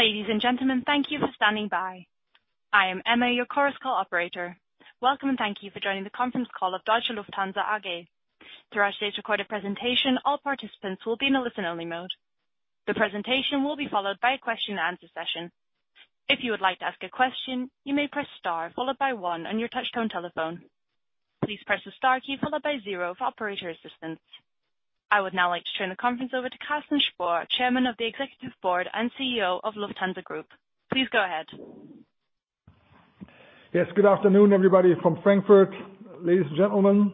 Ladies and gentlemen, thank you for standing by. I am Emma, your Chorus Call operator. Welcome, and thank you for joining the conference call of Deutsche Lufthansa AG. Throughout today's recorded presentation, all participants will be in a listen-only mode. The presentation will be followed by a question and answer session. If you would like to ask a question, you may press star followed by one on your touchtone telephone. Please press the star key followed by zero for operator assistance. I would now like to turn the conference over to Carsten Spohr, Chairman of the Executive Board and CEO of Lufthansa Group. Please go ahead. Yes. Good afternoon, everybody, from Frankfurt. Ladies and gentlemen,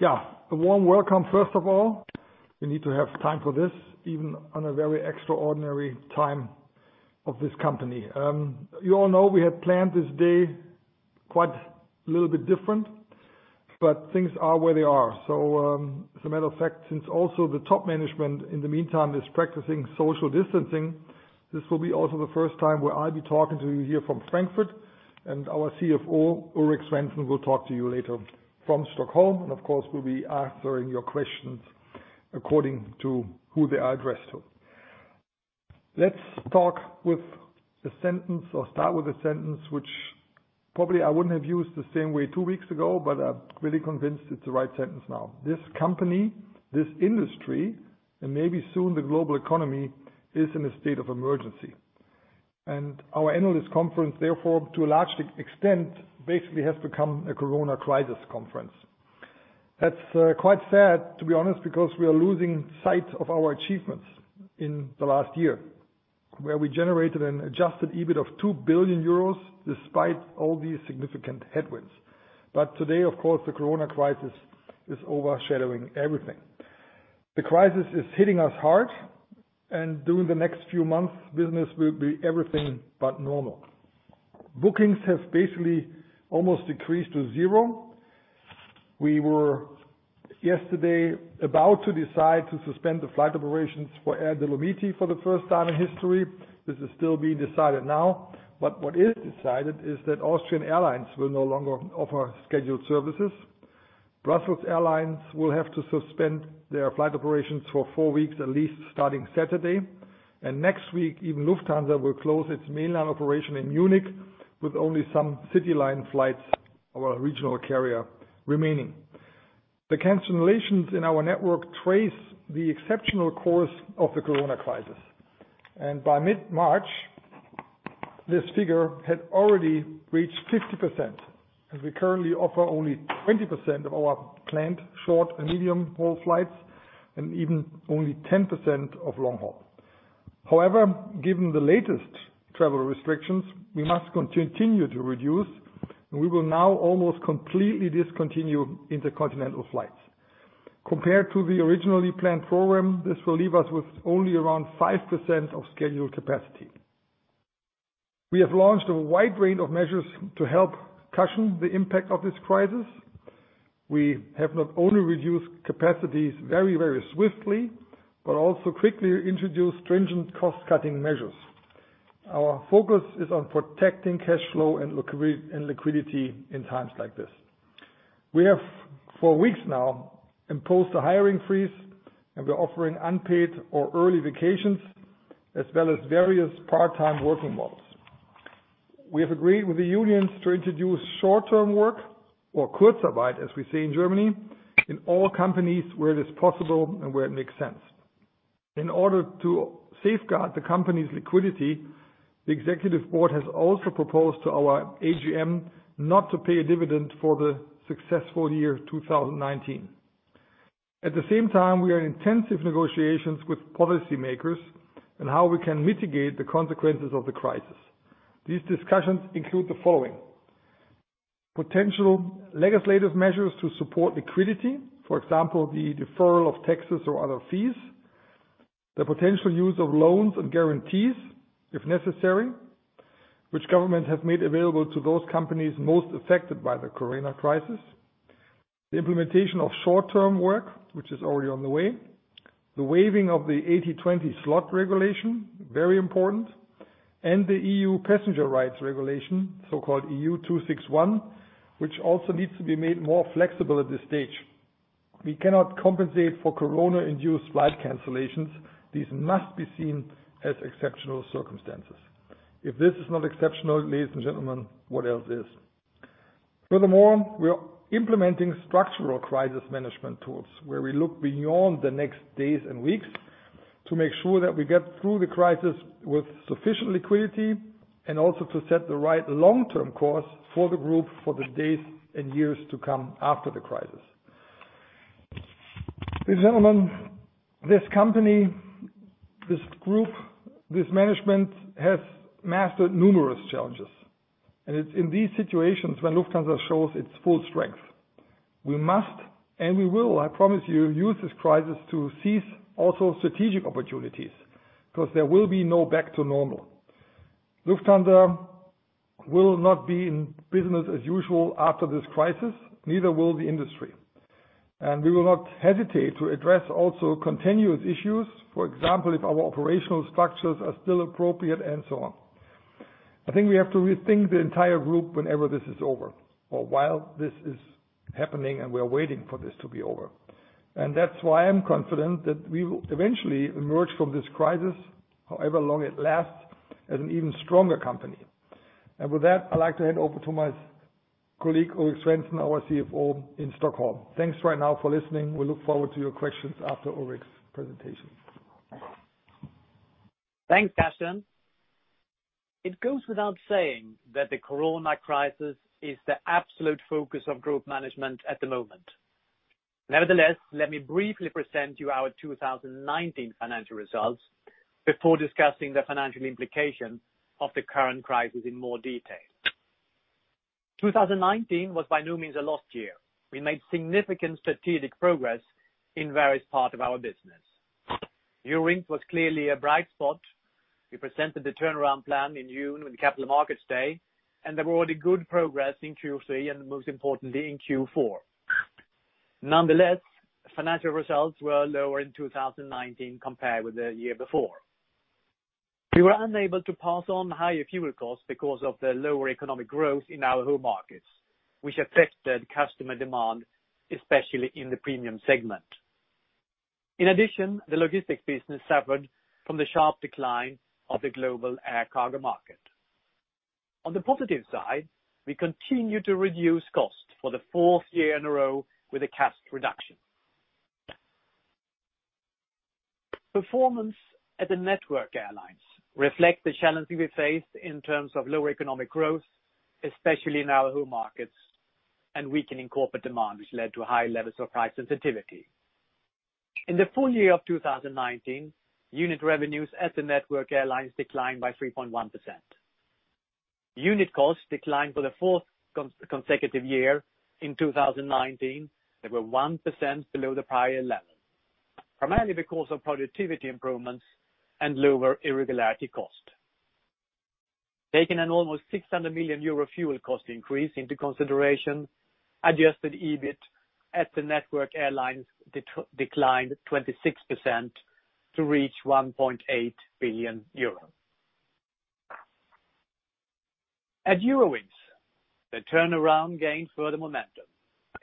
yeah, a warm welcome first of all. We need to have time for this, even on a very extraordinary time of this company. You all know we had planned this day quite a little bit different. Things are where they are. As a matter of fact, since also the top management in the meantime is practicing social distancing, this will be also the first time where I'll be talking to you here from Frankfurt, and our CFO, Ulrik Svensson, will talk to you later from Stockholm. Of course, we'll be answering your questions according to who they are addressed to. Let's talk with a sentence or start with a sentence, which probably I wouldn't have used the same way two weeks ago. I'm really convinced it's the right sentence now. This company, this industry, and maybe soon the global economy, is in a state of emergency. Our analyst conference, therefore, to a large extent, basically has become a Corona crisis conference. That's quite sad, to be honest, because we are losing sight of our achievements in the last year, where we generated an Adjusted EBIT of 2 billion euros despite all these significant headwinds. Today, of course, the Corona crisis is overshadowing everything. The crisis is hitting us hard, and during the next few months, business will be everything but normal. Bookings have basically almost decreased to zero. We were yesterday about to decide to suspend the flight operations for Air Dolomiti for the first time in history. This is still being decided now. What is decided is that Austrian Airlines will no longer offer scheduled services. Brussels Airlines will have to suspend their flight operations for four weeks, at least starting Saturday. Next week, even Lufthansa will close its mainline operation in Munich with only some CityLine flights, our regional carrier remaining. The cancellations in our network trace the exceptional course of the Corona crisis. By mid-March, this figure had already reached 50%, as we currently offer only 20% of our planned short and medium-haul flights and even only 10% of long haul. Given the latest travel restrictions, we must continue to reduce, and we will now almost completely discontinue intercontinental flights. Compared to the originally planned program, this will leave us with only around 5% of scheduled capacity. We have launched a wide range of measures to help cushion the impact of this crisis. We have not only reduced capacities very swiftly, but also quickly introduced stringent cost-cutting measures. Our focus is on protecting cash flow and liquidity in times like this. We have for weeks now imposed a hiring freeze, and we're offering unpaid or early vacations, as well as various part-time working models. We have agreed with the unions to introduce short-term work, or Kurzarbeit, as we say in Germany, in all companies where it is possible and where it makes sense. In order to safeguard the company's liquidity, the executive board has also proposed to our AGM not to pay a dividend for the successful year 2019. At the same time, we are in intensive negotiations with policymakers on how we can mitigate the consequences of the crisis. These discussions include the following: potential legislative measures to support liquidity, for example, the deferral of taxes or other fees, the potential use of loans and guarantees if necessary, which government has made available to those companies most affected by the Corona crisis, the implementation of short-term work, which is already on the way, the waiving of the 80/20 slot regulation, very important, and the EU passenger rights regulation, so-called EU 261, which also needs to be made more flexible at this stage. We cannot compensate for Corona-induced flight cancellations. These must be seen as exceptional circumstances. If this is not exceptional, ladies and gentlemen, what else is? Furthermore, we are implementing structural crisis management tools where we look beyond the next days and weeks to make sure that we get through the crisis with sufficient liquidity and also to set the right long-term course for the group for the days and years to come after the crisis. Ladies and gentlemen, this company, this group, this management, has mastered numerous challenges. It's in these situations when Lufthansa shows its full strength. We must, and we will, I promise you, use this crisis to seize also strategic opportunities because there will be no back to normal. Lufthansa will not be in business as usual after this crisis, neither will the industry. We will not hesitate to address also continuous issues, for example, if our operational structures are still appropriate and so on. I think we have to rethink the entire group whenever this is over, or while this is happening, and we are waiting for this to be over. That's why I'm confident that we will eventually emerge from this crisis, however long it lasts, as an even stronger company. With that, I'd like to hand over to my colleague, Ulrik Svensson, our CFO in Stockholm. Thanks right now for listening. We look forward to your questions after Ulrik's presentation. Thanks, Carsten. It goes without saying that the corona crisis is the absolute focus of group management at the moment. Nevertheless, let me briefly present you our 2019 financial results before discussing the financial implications of the current crisis in more detail. 2019 was by no means a lost year. We made significant strategic progress in various parts of our business. Eurowings was clearly a bright spot. We presented the turnaround plan in June with the Capital Markets Day. There were already good progress in Q3 and most importantly, in Q4. Nonetheless, financial results were lower in 2019 compared with the year before. We were unable to pass on higher fuel costs because of the lower economic growth in our home markets, which affected customer demand, especially in the premium segment. In addition, the logistics business suffered from the sharp decline of the global air cargo market. On the positive side, we continued to reduce costs for the fourth year in a row with a cost reduction. Performance at the Network Airlines reflect the challenges we faced in terms of lower economic growth, especially in our home markets, and weakening corporate demand, which led to high levels of price sensitivity. In the full year of 2019, unit revenues at the Network Airlines declined by 3.1%. Unit costs declined for the fourth consecutive year in 2019. They were 1% below the prior level, primarily because of productivity improvements and lower irregularity cost. Taking an almost 600 million euro fuel cost increase into consideration, adjusted EBIT at the Network Airlines declined 26% to reach EUR 1.8 billion. At Eurowings, the turnaround gained further momentum,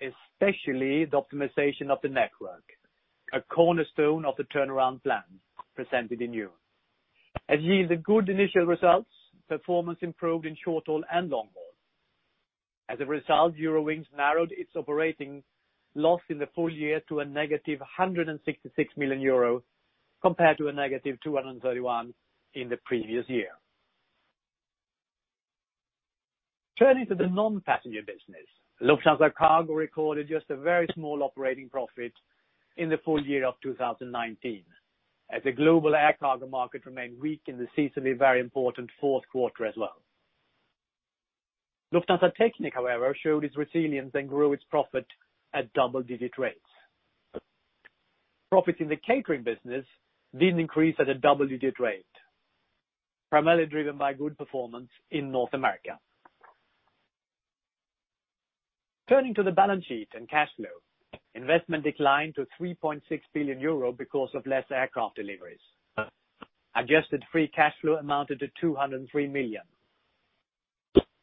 especially the optimization of the network, a cornerstone of the turnaround plan presented in June. It yields a good initial results. Performance improved in short-haul and long-haul. Eurowings narrowed its operating loss in the full year to a negative 166 million euro compared to a negative 231 million in the previous year. Turning to the non-passenger business, Lufthansa Cargo recorded just a very small operating profit in the full year of 2019, as the global air cargo market remained weak in the seasonally very important fourth quarter as well. Lufthansa Technik, however, showed its resilience and grew its profit at double-digit rates. Profits in the catering business did increase at a double-digit rate, primarily driven by good performance in North America. Turning to the balance sheet and cash flow, investment declined to 3.6 billion euro because of less aircraft deliveries. Adjusted free cash flow amounted to 203 million.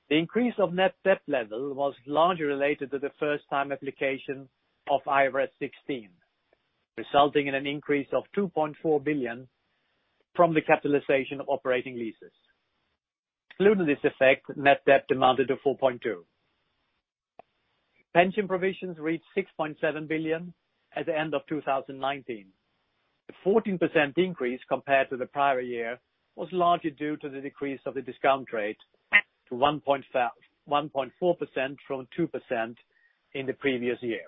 The increase of net debt level was largely related to the first time application of IFRS 16, resulting in an increase of 2.4 billion from the capitalization of operating leases. Excluding this effect, net debt amounted to 4.2 billion. Pension provisions reached 6.7 billion at the end of 2019. The 14% increase compared to the prior year was largely due to the decrease of the discount rate to 1.4% from 2% in the previous year.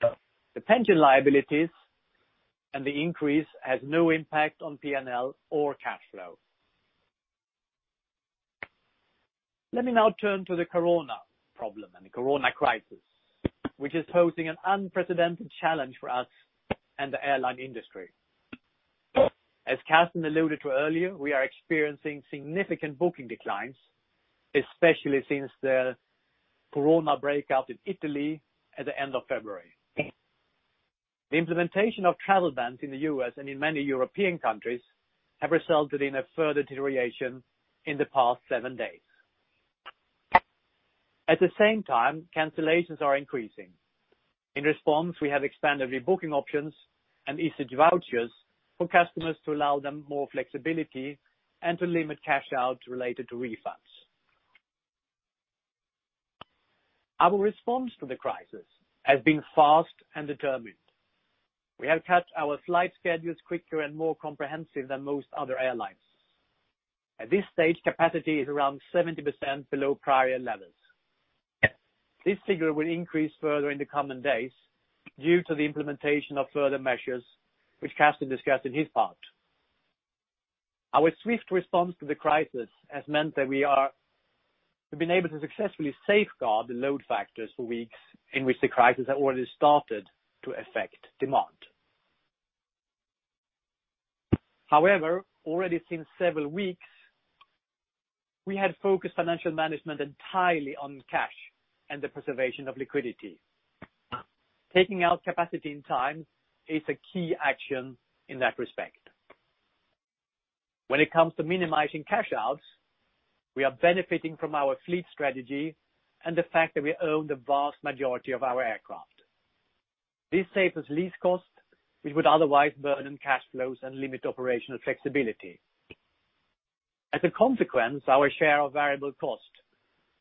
The pension liabilities and the increase has no impact on P&L or cash flow. Let me now turn to the corona problem and the corona crisis, which is posing an unprecedented challenge for us and the airline industry. As Carsten alluded to earlier, we are experiencing significant booking declines, especially since the corona breakout in Italy at the end of February. The implementation of travel bans in the U.S. and in many European countries have resulted in a further deterioration in the past seven days. At the same time, cancellations are increasing. In response, we have expanded rebooking options and issued vouchers for customers to allow them more flexibility and to limit cash out related to refunds. Our response to the crisis has been fast and determined. We have cut our flight schedules quicker and more comprehensive than most other airlines. At this stage, capacity is around 70% below prior levels. This figure will increase further in the coming days due to the implementation of further measures, which Carsten discussed in his part. Our swift response to the crisis has meant that we've been able to successfully safeguard the load factors for weeks in which the crisis had already started to affect demand. However, already since several weeks, we had focused financial management entirely on cash and the preservation of liquidity. Taking out capacity and time is a key action in that respect. When it comes to minimizing cash outs, we are benefiting from our fleet strategy and the fact that we own the vast majority of our aircraft. This saves us lease costs, which would otherwise burden cash flows and limit operational flexibility. As a consequence, our share of variable cost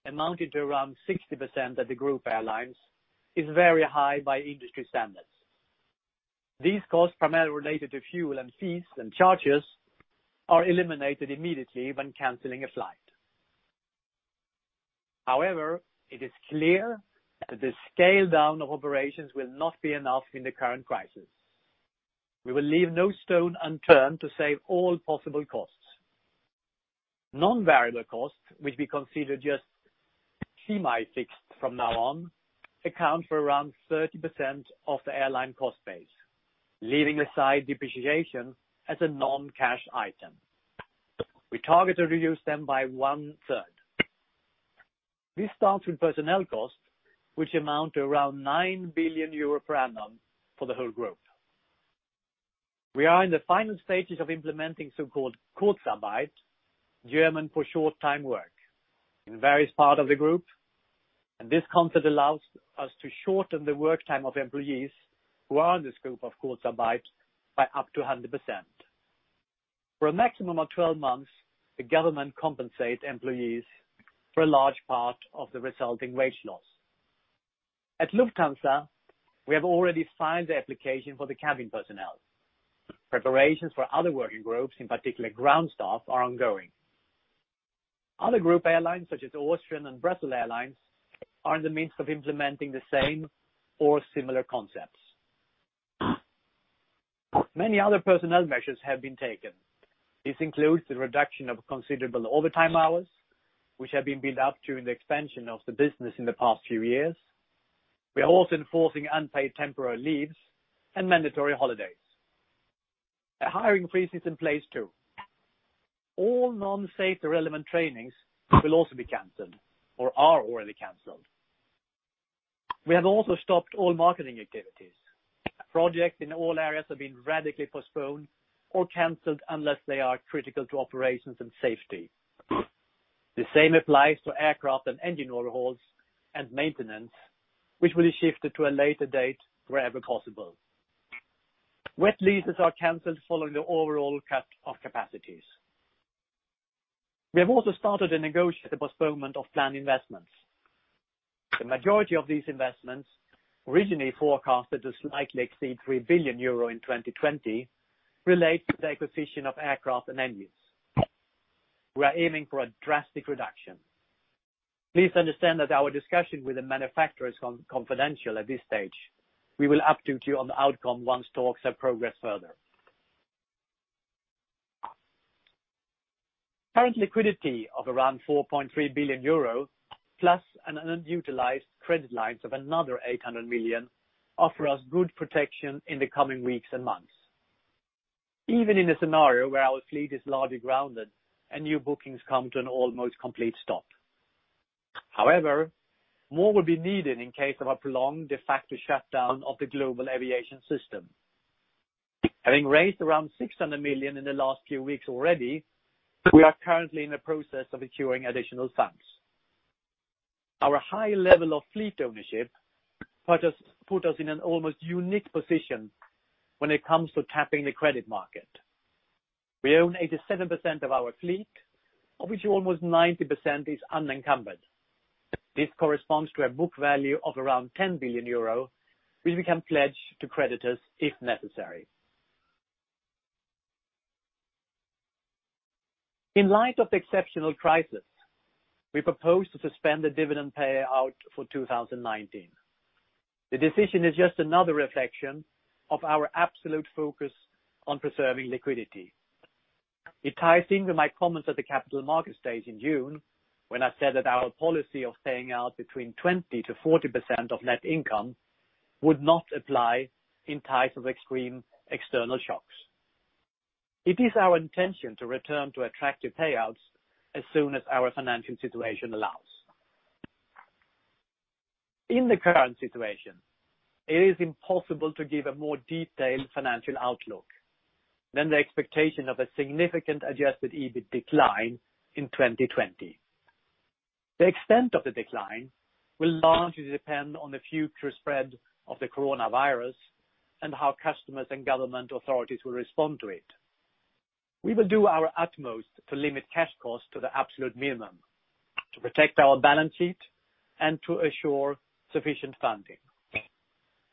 amounted to around 60% at the group airlines is very high by industry standards. These costs primarily related to fuel and fees and charges are eliminated immediately when canceling a flight. However, it is clear that the scale-down of operations will not be enough in the current crisis. We will leave no stone unturned to save all possible costs. Non-variable costs, which we consider just semi-fixed from now on, account for around 30% of the airline cost base, leaving aside depreciation as a non-cash item. We target to reduce them by one-third. This starts with personnel costs, which amount to around 9 billion euro per annum for the whole Group. We are in the final stages of implementing so-called Kurzarbeit, German for short-time work, in various parts of the Group, and this concept allows us to shorten the work time of employees who are in the scope of Kurzarbeit by up to 100%. For a maximum of 12 months, the government compensates employees for a large part of the resulting wage loss. At Lufthansa, we have already signed the application for the cabin personnel. Preparations for other working groups, in particular ground staff, are ongoing. Other group airlines such as Austrian and Brussels Airlines are in the midst of implementing the same or similar concepts. Many other personnel measures have been taken. This includes the reduction of considerable overtime hours, which have been built up during the expansion of the business in the past few years. We are also enforcing unpaid temporary leaves and mandatory holidays. A hiring freeze is in place too. All non-safety relevant trainings will also be canceled or are already canceled. We have also stopped all marketing activities. Projects in all areas have been radically postponed or canceled unless they are critical to operations and safety. The same applies to aircraft and engine overhauls and maintenance, which will be shifted to a later date wherever possible. Wet leases are canceled following the overall cut of capacities. We have also started to negotiate the postponement of planned investments. The majority of these investments, originally forecasted to slightly exceed 3 billion euro in 2020, relates to the acquisition of aircraft and engines. Please understand that our discussion with the manufacturer is confidential at this stage. We will update you on the outcome once talks have progressed further. Current liquidity of around 4.3 billion euro, plus an unutilized credit lines of another 800 million, offer us good protection in the coming weeks and months, even in a scenario where our fleet is largely grounded and new bookings come to an almost complete stop. More will be needed in case of a prolonged de facto shutdown of the global aviation system. Having raised around 600 million in the last few weeks already, we are currently in the process of acquiring additional funds. Our high level of fleet ownership put us in an almost unique position when it comes to tapping the credit market. We own 87% of our fleet, of which almost 90% is unencumbered. This corresponds to a book value of around 10 billion euro, which we can pledge to creditors if necessary. In light of the exceptional crisis, we propose to suspend the dividend payout for 2019. The decision is just another reflection of our absolute focus on preserving liquidity. It ties into my comments at the Capital Markets Day in June, when I said that our policy of paying out between 20%-40% of net income would not apply in times of extreme external shocks. It is our intention to return to attractive payouts as soon as our financial situation allows. In the current situation, it is impossible to give a more detailed financial outlook than the expectation of a significant Adjusted EBIT decline in 2020. The extent of the decline will largely depend on the future spread of the coronavirus and how customers and government authorities will respond to it. We will do our utmost to limit cash costs to the absolute minimum, to protect our balance sheet and to assure sufficient funding.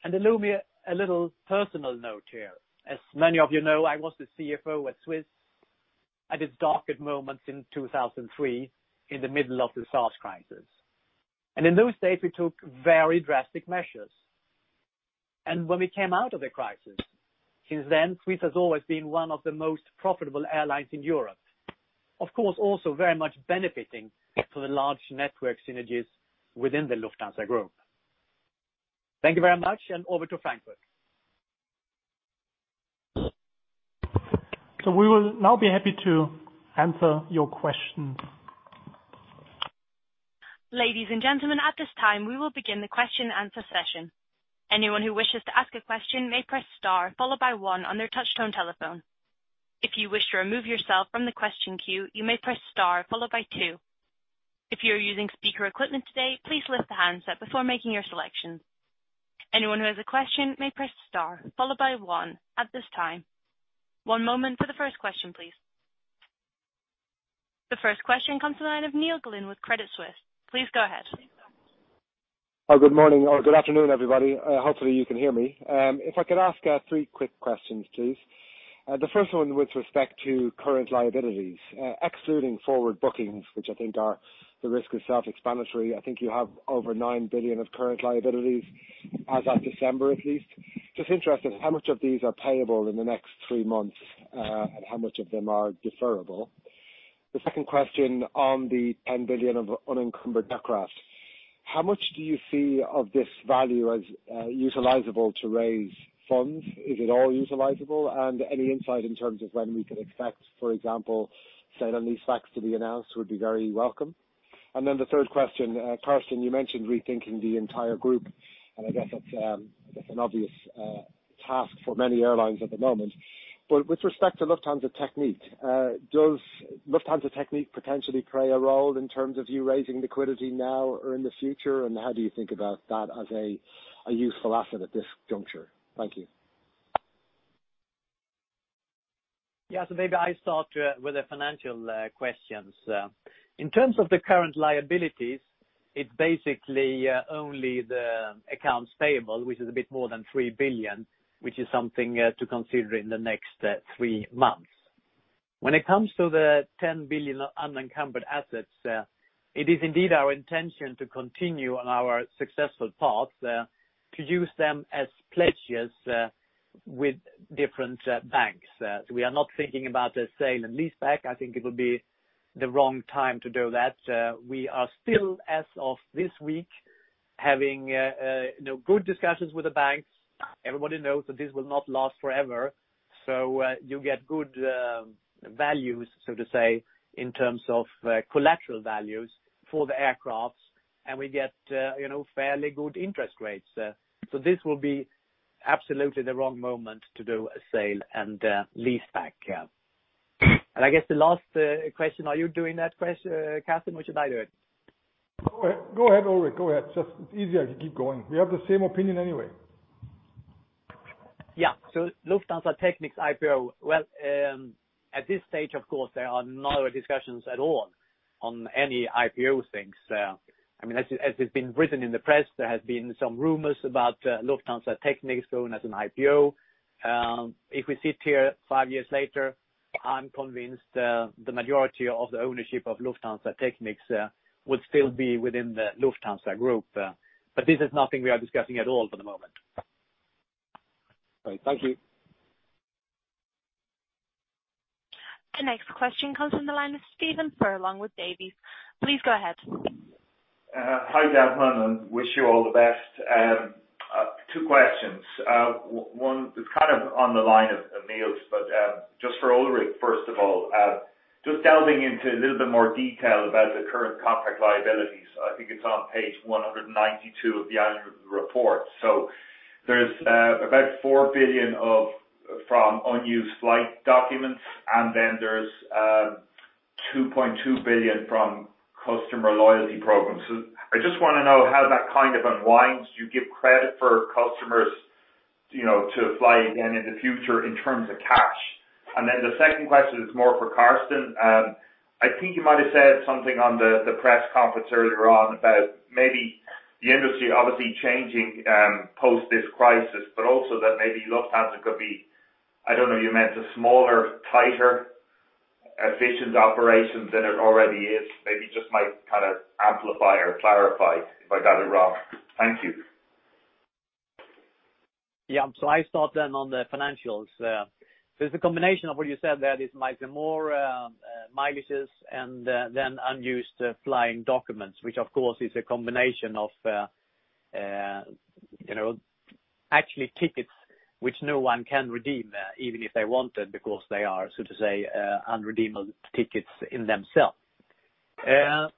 Allow me a little personal note here. As many of you know, I was the CFO at Swiss at its darkest moments in 2003 in the middle of the SARS crisis. In those days, we took very drastic measures. When we came out of the crisis, since then, Swiss has always been one of the most profitable airlines in Europe, of course, also very much benefiting from the large network synergies within the Lufthansa Group. Thank you very much, over to Frankfurt. We will now be happy to answer your questions. Ladies and gentlemen, at this time, we will begin the question and answer session. Anyone who wishes to ask a question may press star, followed by one on their touchtone telephone. If you wish to remove yourself from the question queue, you may press star followed by two. If you are using speaker equipment today, please lift the handset before making your selections. Anyone who has a question may press star followed by one at this time. One moment for the first question, please. The first question comes to the line of Neil Glynn with Credit Suisse. Please go ahead. Good morning or good afternoon, everybody. Hopefully you can hear me. If I could ask three quick questions, please. The first one with respect to current liabilities. Excluding forward bookings, which I think the risk is self-explanatory. I think you have over 9 billion of current liabilities as of December, at least. Just interested, how much of these are payable in the next three months, and how much of them are deferrable? The second question on the 10 billion of unencumbered aircraft. How much do you see of this value as utilizable to raise funds? Is it all utilizable? Any insight in terms of when we can expect, for example, sale and lease backs to be announced would be very welcome. The third question. Carsten, you mentioned rethinking the entire group, and I guess it's an obvious task for many airlines at the moment. With respect to Lufthansa Technik, does Lufthansa Technik potentially play a role in terms of you raising liquidity now or in the future? How do you think about that as a useful asset at this juncture? Thank you. Yeah. Maybe I start with the financial questions. In terms of the current liabilities, it's basically only the accounts payable, which is a bit more than 3 billion, which is something to consider in the next three months. When it comes to the 10 billion unencumbered assets, it is indeed our intention to continue on our successful path, to use them as pledges with different banks. We are not thinking about a sale and lease back. I think it would be the wrong time to do that. We are still, as of this week, having good discussions with the banks. Everybody knows that this will not last forever. You get good values, so to say, in terms of collateral values for the aircraft, and we get fairly good interest rates. This will be absolutely the wrong moment to do a sale and lease back. I guess the last question, are you doing that question, Carsten, or should I do it? Go ahead, Ulrik. Go ahead. It's easier to keep going. We have the same opinion anyway. Lufthansa Technik's IPO. Well, at this stage, of course, there are no discussions at all on any IPO things. As it's been written in the press, there has been some rumors about Lufthansa Technik going as an IPO. If we sit here five years later, I'm convinced the majority of the ownership of Lufthansa Technik would still be within the Lufthansa Group. This is nothing we are discussing at all for the moment. Great. Thank you. The next question comes from the line of Stephen Furlong with Davy. Please go ahead. Hi, gentlemen. Wish you all the best. Two questions. One is kind of on the line of Neil's, but just for Ulrik, first of all. Just delving into a little bit more detail about the current contract liabilities. I think it's on page 192 of the annual report. There's about 4 billion from unused flight documents, and then there's 2.2 billion from customer loyalty programs. I just want to know how that kind of unwinds. Do you give credit for customers to fly again in the future in terms of cash? The second question is more for Carsten. I think you might have said something on the press conference earlier on about maybe the industry obviously changing post this crisis, but also that maybe Lufthansa could be, I don't know, you meant a smaller, tighter, efficient operation than it already is. Maybe just might kind of amplify or clarify if I got it wrong. Thank you. Yeah. I start then on the financials. It's a combination of what you said there. It might be more mileages and then unused flying documents, which, of course, is a combination of actually tickets which no one can redeem, even if they wanted, because they are, so to say, unredeemable tickets in themselves.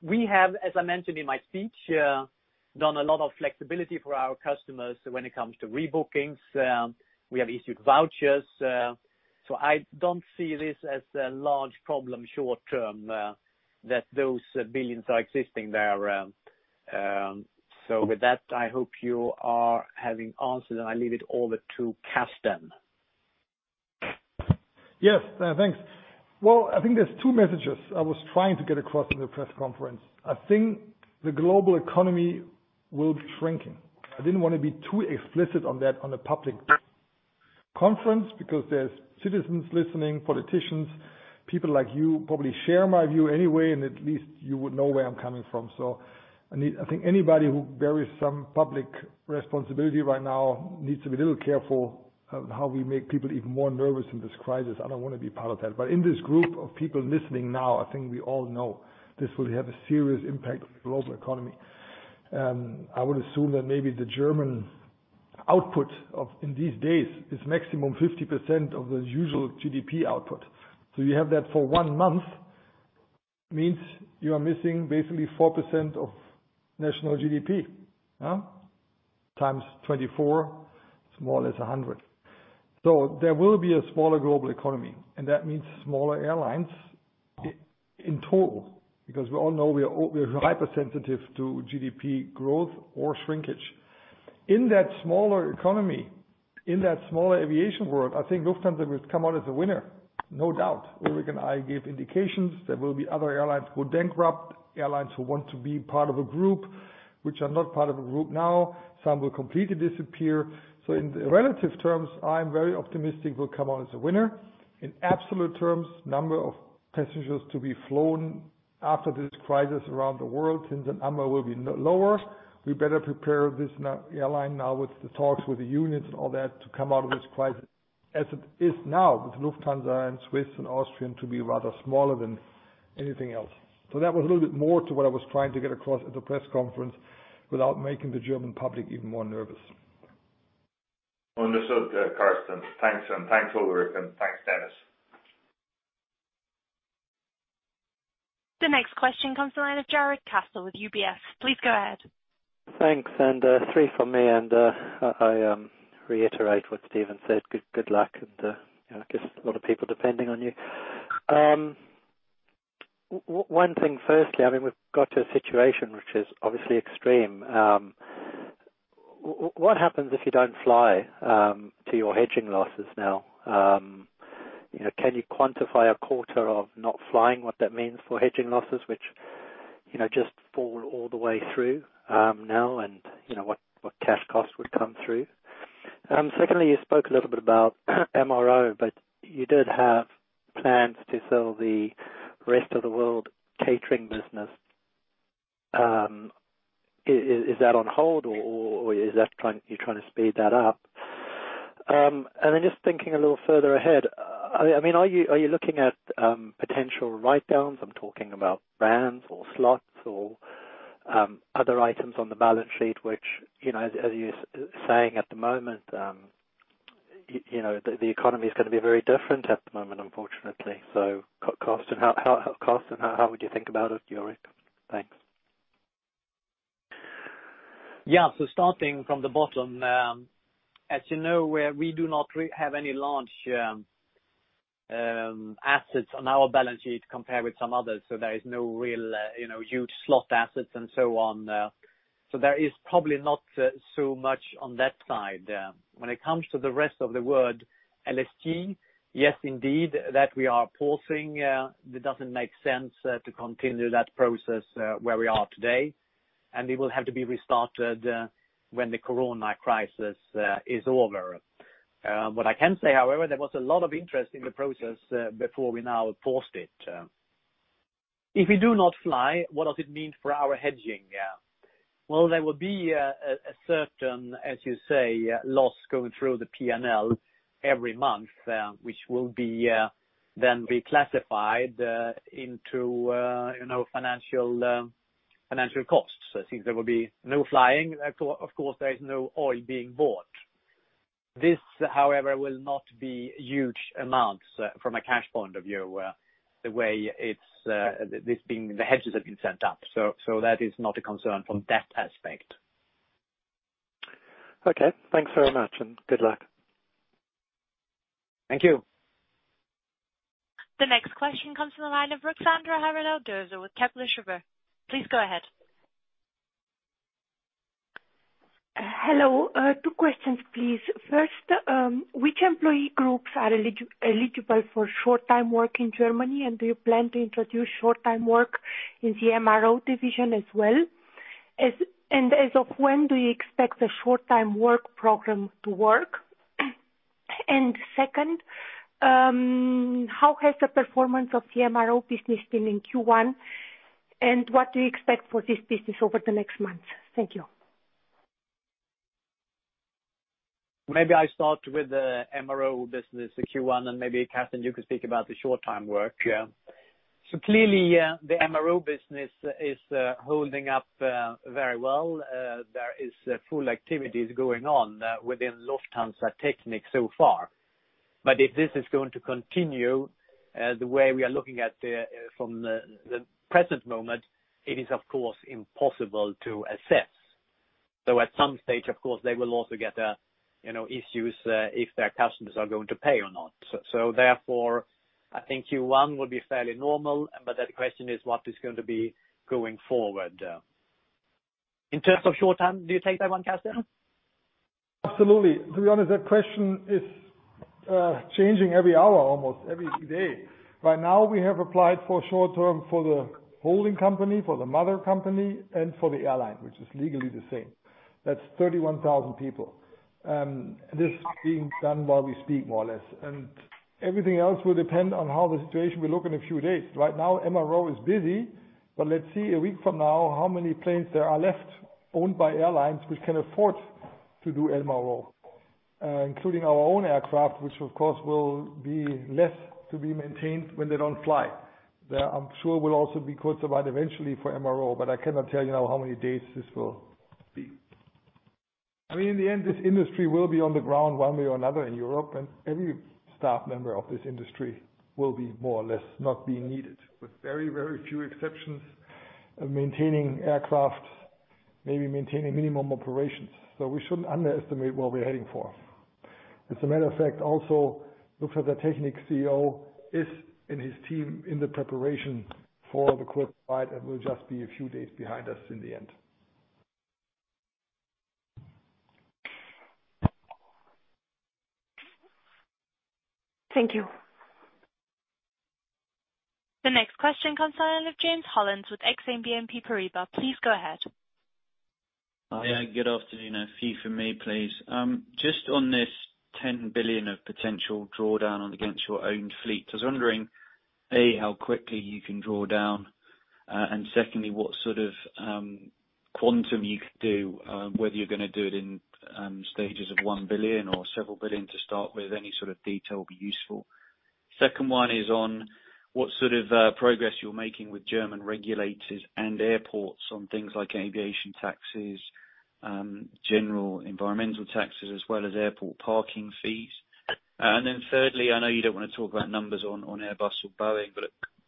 We have, as I mentioned in my speech, done a lot of flexibility for our customers when it comes to rebookings. We have issued vouchers. I don't see this as a large problem short term, that those billions are existing there. With that, I hope you are having answers, and I leave it over to Carsten. Yes. Thanks. Well, I think there's two messages I was trying to get across in the press conference. I think the global economy will be shrinking. I didn't want to be too explicit on that on a public conference because there's citizens listening, politicians. People like you probably share my view anyway, and at least you would know where I'm coming from. I think anybody who bears some public responsibility right now needs to be a little careful of how we make people even more nervous in this crisis. I don't want to be part of that. In this group of people listening now, I think we all know this will have a serious impact on the global economy. I would assume that maybe the German output in these days is maximum 50% of the usual GDP output. You have that for one month, means you are missing basically four % of national GDP. Times 24, it's more or less 100. There will be a smaller global economy, and that means smaller airlines in total, because we all know we're hypersensitive to GDP growth or shrinkage. In that smaller economy, in that smaller aviation world, I think Lufthansa will come out as a winner, no doubt. Ulrik and I gave indications there will be other airlines go bankrupt, airlines who want to be part of a group, which are not part of a group now. Some will completely disappear. In the relative terms, I'm very optimistic we'll come out as a winner. In absolute terms, number of passengers to be flown after this crisis around the world, since that number will be lower, we better prepare this airline now with the talks with the unions and all that to come out of this crisis as it is now with Lufthansa and Swiss and Austrian to be rather smaller than anything else. That was a little bit more to what I was trying to get across at the press conference without making the German public even more nervous. Understood, Carsten. Thanks, and thanks, Ulrik, and thanks, Dennis. The next question comes to the line of Jarrod Castle with UBS. Please go ahead. Thanks. Three from me, I reiterate what Stephen said. Good luck and I guess a lot of people depending on you. One thing firstly, I mean, we've got a situation which is obviously extreme. What happens if you don't fly to your hedging losses now? Can you quantify a quarter of not flying, what that means for hedging losses, which just fall all the way through now and what cash costs would come through? Secondly, you spoke a little bit about MRO, but you did have plans to sell the rest of the world catering business. Is that on hold or are you trying to speed that up? Then just thinking a little further ahead, are you looking at potential write-downs? I'm talking about brands or slots or other items on the balance sheet, which, as you're saying at the moment, the economy is going to be very different at the moment, unfortunately. Carsten, how would you think about it? Ulrik? Thanks. Starting from the bottom, as you know, we do not have any large assets on our balance sheet compared with some others, there is no real huge slot assets and so on. There is probably not so much on that side. When it comes to the rest of the world, LSG, yes, indeed, that we are pausing. That doesn't make sense to continue that process where we are today. It will have to be restarted when the corona crisis is over. What I can say, however, there was a lot of interest in the process before we now paused it. If we do not fly, what does it mean for our hedging? There will be a certain, as you say, loss going through the P&L every month, which will be then reclassified into financial costs. Since there will be no flying, of course there is no oil being bought. This, however, will not be huge amounts from a cash point of view, the way the hedges have been set up. That is not a concern from that aspect. Okay, thanks very much, and good luck. Thank you. The next question comes from the line of Ruxandra Haradau-Döser with Kepler Cheuvreux. Please go ahead. Hello. Two questions, please. First, which employee groups are eligible for short-time work in Germany, and do you plan to introduce short-time work in the MRO division as well? As of when do you expect the short-time work program to work? Second, how has the performance of the MRO business been in Q1, and what do you expect for this business over the next months? Thank you. Maybe I start with the MRO business Q1, and maybe, Carsten, you can speak about the short-time work. Clearly, the MRO business is holding up very well. There is full activities going on within Lufthansa Technik so far. If this is going to continue the way we are looking at from the present moment, it is of course impossible to assess. At some stage, of course, they will also get issues if their customers are going to pay or not. Therefore, I think Q1 will be fairly normal, but the question is what is going to be going forward. In terms of short time, do you take that one, Carsten? Absolutely. To be honest, that question is changing every hour, almost every day. Right now, we have applied for short term for the holding company, for the mother company, and for the airline, which is legally the same. That's 31,000 people. This is being done while we speak, more or less. Everything else will depend on how the situation will look in a few days. Right now, MRO is busy, but let's see a week from now how many planes there are left owned by airlines which can afford to do MRO. Including our own aircraft, which of course will be less to be maintained when they don't fly. That I'm sure will also be cost-derived eventually for MRO, but I cannot tell you now how many days this will be. In the end, this industry will be on the ground one way or another in Europe, and every staff member of this industry will be more or less not being needed, with very few exceptions of maintaining aircraft, maybe maintaining minimum operations. We shouldn't underestimate where we're heading for. As a matter of fact, also, Lufthansa Technik CEO is, and his team, in the preparation for the quick slide that will just be a few days behind us in the end. Thank you. The next question comes in with James Hollins with Exane BNP Paribas. Please go ahead. Yeah, good afternoon. A few from me, please. Just on this 10 billion of potential drawdown against your own fleet. I was wondering, A, how quickly you can draw down? Secondly, what sort of quantum you could do, whether you're going to do it in stages of 1 billion or several billion to start with. Any sort of detail will be useful. Second one is on what sort of progress you're making with German regulators and airports on things like aviation taxes, general environmental taxes, as well as airport parking fees. Thirdly, I know you don't want to talk about numbers on Airbus or Boeing,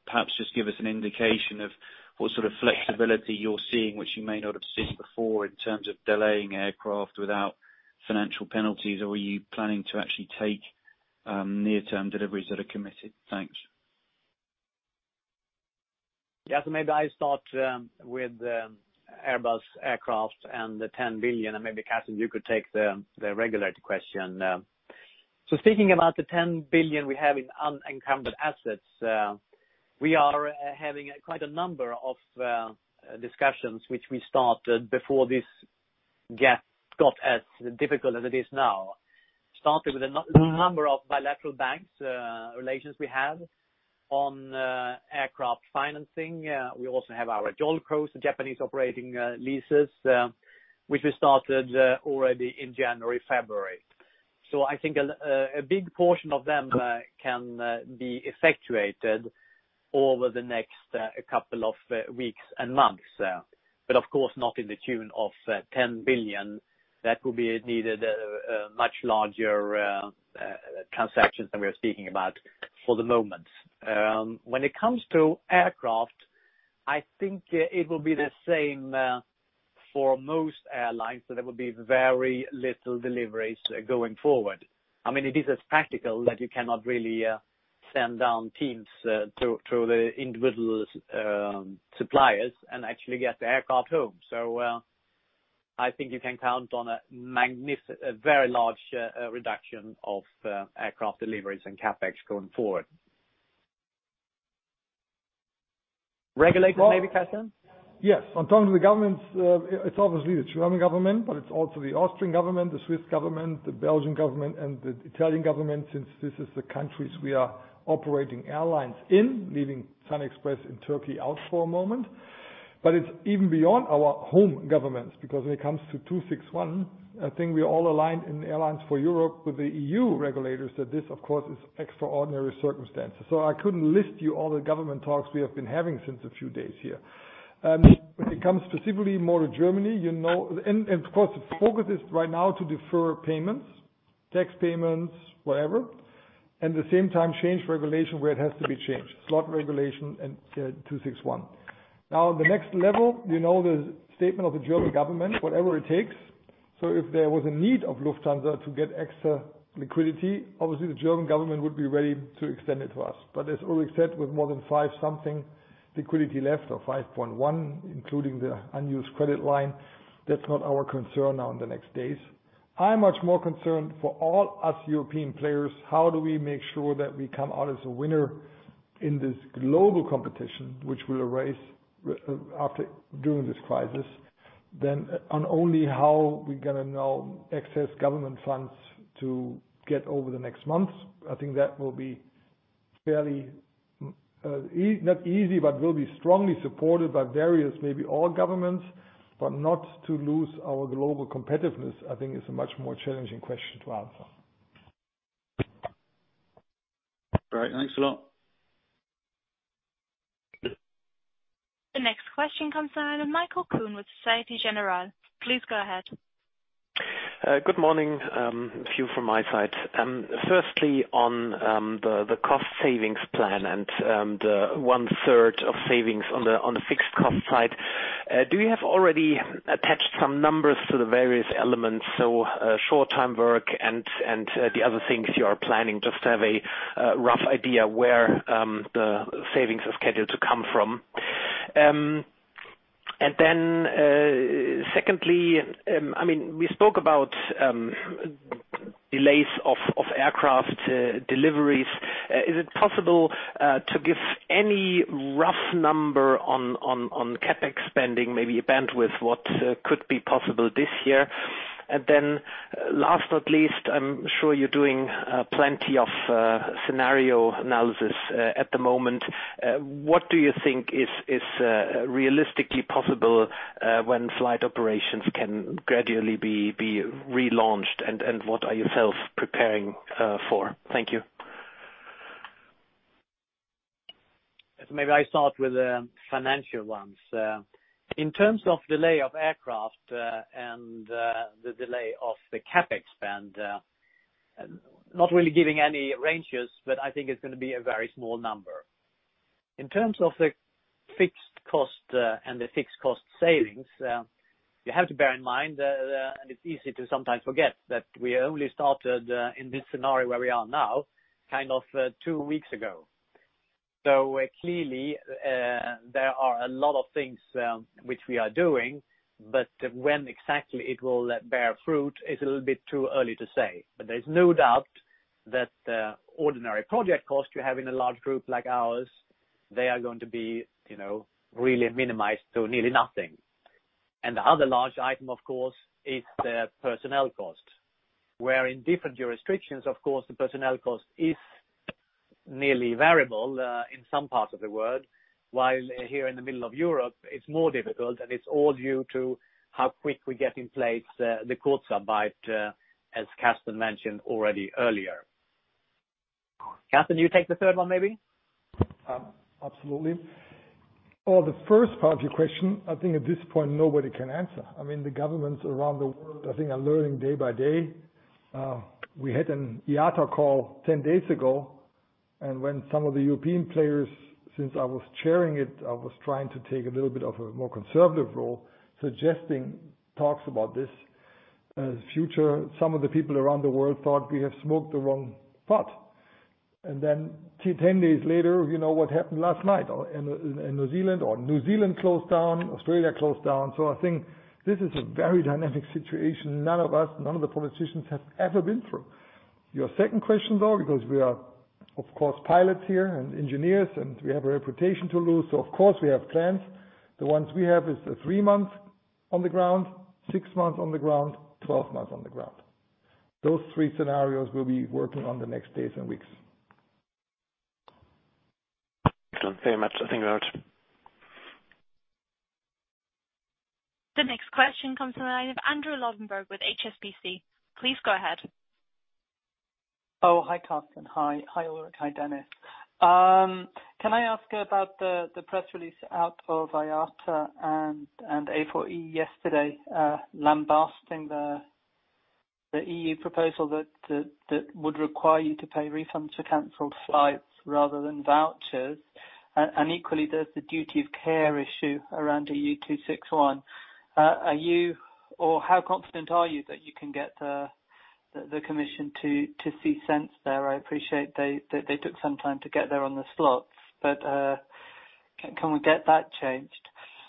perhaps just give us an indication of what sort of flexibility you're seeing, which you may not have seen before in terms of delaying aircraft without financial penalties, or are you planning to actually take near-term deliveries that are committed? Thanks. Yes, maybe I start with the Airbus aircraft and the 10 billion, and maybe, Carsten, you could take the regulatory question. Speaking about the 10 billion we have in unencumbered assets, we are having quite a number of discussions which we started before this got as difficult as it is now. Started with a number of bilateral banks relations we have on aircraft financing. We also have our JOLCOs, Japanese operating leases, which we started already in January, February. I think a big portion of them can be effectuated over the next couple of weeks and months. Of course not in the tune of 10 billion. That would be needed much larger transactions than we're speaking about for the moment. When it comes to aircraft, I think it will be the same for most airlines, so there will be very little deliveries going forward. It is as practical that you cannot really send down teams to the individual suppliers and actually get the aircraft home. I think you can count on a very large reduction of aircraft deliveries and CapEx going forward. Regulators maybe, Carsten? Yes. On terms of the governments, it's obviously the German government, but it's also the Austrian government, the Swiss government, the Belgian government, and the Italian government, since this is the countries we are operating airlines in, leaving SunExpress in Turkey out for a moment. It's even beyond our home governments, because when it comes to 261, I think we are all aligned in Airlines for Europe with the EU regulators that this, of course, is extraordinary circumstances. I couldn't list you all the government talks we have been having since a few days here. When it comes specifically more to Germany, and of course, the focus is right now to defer payments, tax payments, whatever, and the same time change regulation where it has to be changed, slot regulation and 261. Now, the next level, you know the statement of the German government, whatever it takes. If there was a need of Lufthansa to get extra liquidity, obviously the German government would be ready to extend it to us. As Ulrik said, with more than five something liquidity left, or 5.1, including the unused credit line, that's not our concern now in the next days. I'm much more concerned for all us European players, how do we make sure that we come out as a winner in this global competition which will arise during this crisis, than on only how we're going to now access government funds to get over the next months. I think that will be fairly, not easy, but will be strongly supported by various, maybe all governments, but not to lose our global competitiveness, I think, is a much more challenging question to answer. All right. Thanks a lot. The next question comes in Michael Kuhn with Societe Generale. Please go ahead. Good morning. A few from my side. Firstly, on the cost savings plan and the one-third of savings on the fixed cost side, do you have already attached some numbers to the various elements? So short time work and the other things you are planning, just to have a rough idea where the savings are scheduled to come from. Then secondly, we spoke about delays of aircraft deliveries. Is it possible to give any rough number on CapEx spending, maybe a bandwidth, what could be possible this year? Then last, not least, I'm sure you're doing plenty of scenario analysis at the moment. What do you think is realistically possible when flight operations can gradually be relaunched? What are you self preparing for? Thank you. Maybe I start with the financial ones. In terms of delay of aircraft and the delay of the CapEx spend, not really giving any ranges, but I think it's going to be a very small number. In terms of the fixed cost and the fixed cost savings, you have to bear in mind, and it's easy to sometimes forget that we only started in this scenario where we are now, kind of two weeks ago. Clearly, there are a lot of things which we are doing, but when exactly it will bear fruit is a little bit too early to say. There's no doubt that the ordinary project cost you have in a large group like ours, they are going to be really minimized to nearly nothing. The other large item, of course, is the personnel cost, where in different jurisdictions, of course, the personnel cost is nearly variable in some parts of the world, while here in the middle of Europe, it's more difficult, and it's all due to how quick we get in place the Kurzarbeit, as Carsten mentioned already earlier. Carsten, you take the third one, maybe? Absolutely. For the first part of your question, I think at this point, nobody can answer. I mean, the governments around the world, I think, are learning day by day. We had an IATA call 10 days ago. When some of the European players, since I was chairing it, I was trying to take a little bit of a more conservative role suggesting talks about this future. Some of the people around the world thought we have smoked the wrong pot. 10 days later, what happened last night in New Zealand? New Zealand closed down, Australia closed down. I think this is a very dynamic situation none of us, none of the politicians have ever been through. Your second question, though, because we are, of course, pilots here and engineers, and we have a reputation to lose. Of course, we have plans. The ones we have is the three months on the ground, six months on the ground, 12 months on the ground. Those three scenarios we'll be working on the next days and weeks. Thanks very much. I think we're out. The next question comes from the line of Andrew Lobbenberg with HSBC. Please go ahead. Oh, hi, Carsten. Hi, Ulrik. Hi, Dennis. Can I ask about the press release out of IATA and A4E yesterday lambasting the EU proposal that would require you to pay refunds for canceled flights rather than vouchers? And equally, there's the duty of care issue around EU 261. Are you or how confident are you that you can get the Commission to see sense there? I appreciate they took some time to get there on the slots. Can we get that changed?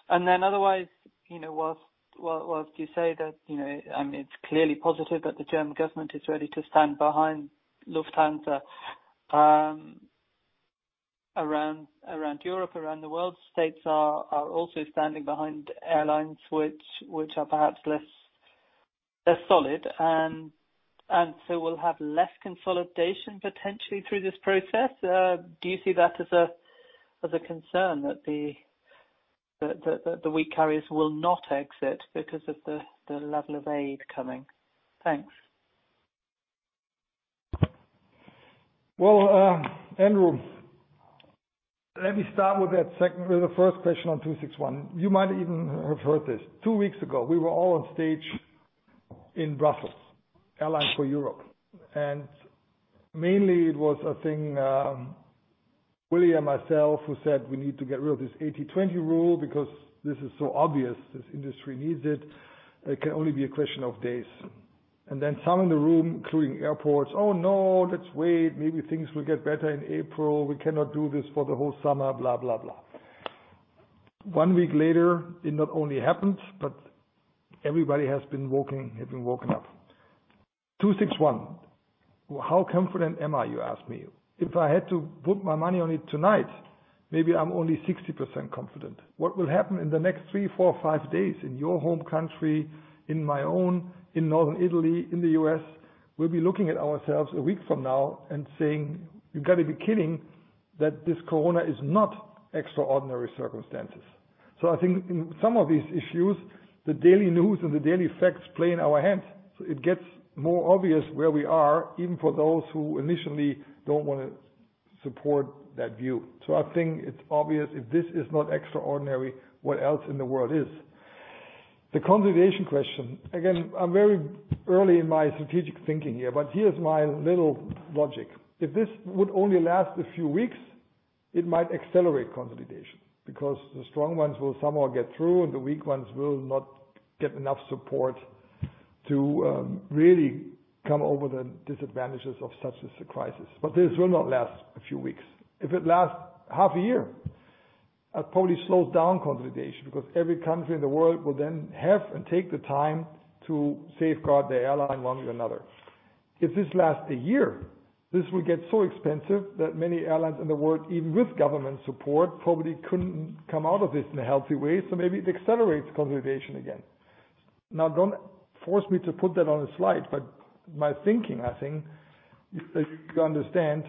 Otherwise, whilst you say that it's clearly positive that the German government is ready to stand behind Lufthansa around Europe, around the world, states are also standing behind airlines which are perhaps less solid, and so we'll have less consolidation potentially through this process. Do you see that as a concern that the weak carriers will not exit because of the level of aid coming? Thanks. Andrew, let me start with the first question on 261. You might even have heard this. Two weeks ago, we were all on stage in Brussels, Airlines for Europe. Mainly it was, I think, Willie and myself who said we need to get rid of this 80/20 rule because this is so obvious this industry needs it. It can only be a question of days. Some in the room, including airports, "Oh, no, let's wait. Maybe things will get better in April. We cannot do this for the whole summer," blah, blah. One week later, it not only happened, but everybody has been woken up. 261. How confident am I, you ask me? If I had to put my money on it tonight, maybe I'm only 60% confident. What will happen in the next three, four, five days in your home country, in my own, in northern Italy, in the U.S., we'll be looking at ourselves one week from now and saying, "You got to be kidding that this corona is not extraordinary circumstances." I think in some of these issues, the daily news and the daily facts play in our hands. It gets more obvious where we are, even for those who initially don't want to support that view. I think it's obvious if this is not extraordinary, what else in the world is? The consolidation question. Again, I'm very early in my strategic thinking here, but here's my little logic. If this would only last a few weeks, it might accelerate consolidation because the strong ones will somehow get through, and the weak ones will not get enough support to really come over the disadvantages of such as a crisis. This will not last a few weeks. If it lasts half a year, that probably slows down consolidation because every country in the world will then have and take the time to safeguard their airline one way or another. If this lasts a year, this will get so expensive that many airlines in the world, even with government support, probably couldn't come out of this in a healthy way. Maybe it accelerates consolidation again. Don't force me to put that on a slide, but my thinking, I think, if you understand,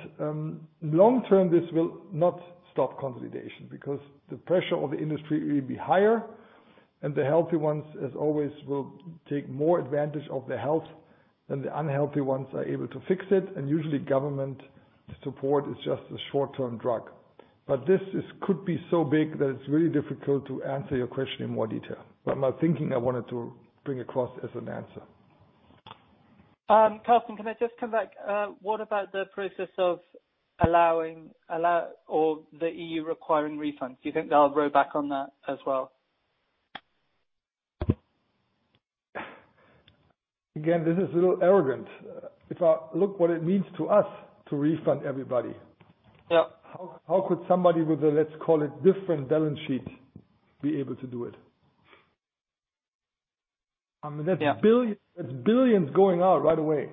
long term, this will not stop consolidation because the pressure of the industry will be higher and the healthy ones, as always, will take more advantage of their health. The unhealthy ones are able to fix it, and usually government support is just a short-term drug. This could be so big that it's really difficult to answer your question in more detail. My thinking, I wanted to bring across as an answer. Carsten, can I just come back? What about the process of the EU requiring refunds? Do you think they'll row back on that as well? This is a little arrogant. If I look what it means to us to refund everybody. Yeah how could somebody with a, let's call it, different balance sheet, be able to do it? Yeah. That's billions going out right away.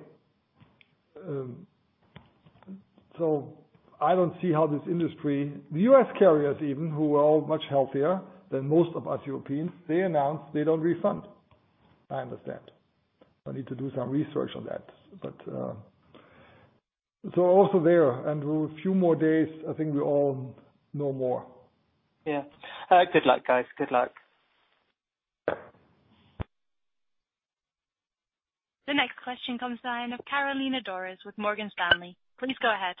I don't see how this industry, the U.S. carriers even, who are much healthier than most of us Europeans, they announced they don't refund. I understand. I need to do some research on that. Also there, and with few more days, I think we all know more. Yeah. Good luck, guys. Good luck. The next question comes in of Carolina Dores with Morgan Stanley. Please go ahead.